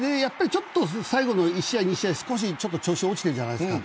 最後の１試合、２試合は調子が落ちていたじゃないですか。